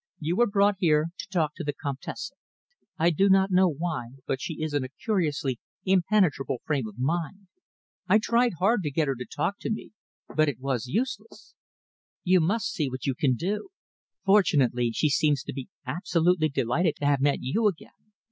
You were brought here to talk to the Comtesse. I do not know why, but she is in a curiously impenetrable frame of mind. I tried hard to get her to talk to me, but it was useless; you must see what you can do. Fortunately, she seems to be absolutely delighted to have met you again.